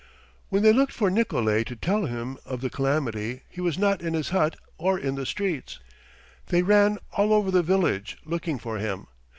When they looked for Nikolay to tell him of the calamity he was not in his hut or in the streets. They ran all over the village, looking for him.